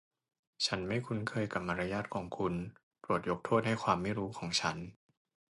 ฉันไม่คุ้นเคยกับมารยาทของคุณ โปรดยกโทษให้ความไม่รู้ของฉัน